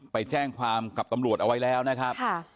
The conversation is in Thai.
ไปแจ้งความกับตำรวจเอาไว้แล้วนะครับ